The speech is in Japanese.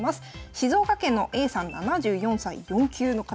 静岡県のＡさん７４歳４級の方です。